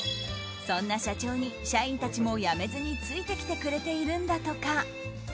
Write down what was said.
そんな社長に、社員たちも辞めずについてきてくれているんだとか。